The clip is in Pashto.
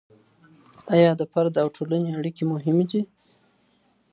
آيا د فرد او ټولني اړيکي مهمې دي؟